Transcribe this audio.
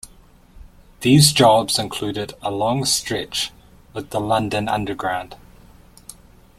These jobs included a long stretch with the London Underground.